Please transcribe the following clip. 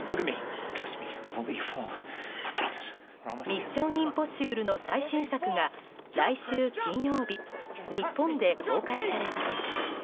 「ミッション：インポッシブル」の最新作が来週金曜日日本で公開されます。